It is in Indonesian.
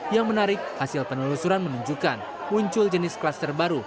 yang menarik hasil penelusuran menunjukkan muncul jenis klaster baru